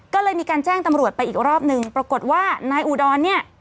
ก็เลยมีการแจ้งตำรวจไปอีกรอบนึงปรากฏว่านายอุดรเนี่ย